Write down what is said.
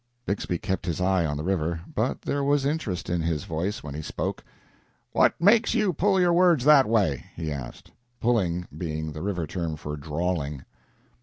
Bixby kept his eye on the river, but there was interest in his voice when he spoke. "What makes you pull your words that way?" he asked "pulling" being the river term for drawling.